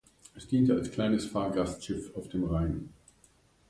Es diente als kleines Fahrgastschiff auf dem Rhein.